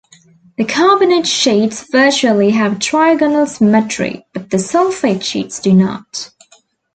The carbonate sheets virtually have trigonal symmetry, but the sulfate sheets do not.